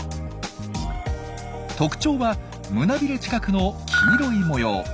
特徴は胸びれ近くの黄色い模様。